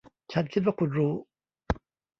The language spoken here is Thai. ฉันคิดว่าคุณรู้